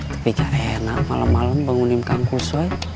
tapi enak malem malem bangunin kampus